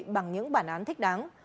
bằng những bản án thích đáng